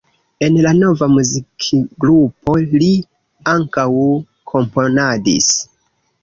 En la nova muzikgrupo li ankaŭ komponadis.